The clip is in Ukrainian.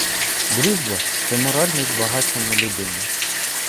Дружба — це моральне збагачення людини.